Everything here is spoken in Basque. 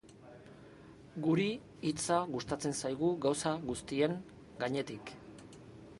Guri hitza gustatzen zaigu gauza guztien gainetik.